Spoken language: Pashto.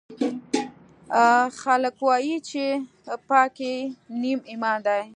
خلکوایي چې پاکۍ نیم ایمان ده